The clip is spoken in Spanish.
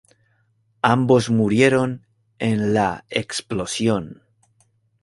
Ambos murieron en la explosión.